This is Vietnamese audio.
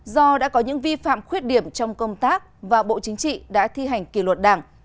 do đã có những vi phạm khuyết điểm trong công tác và bộ chính trị đã thi hành kỷ luật đảng